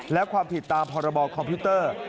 และความผิดตามพรบคอมพิวเตอร์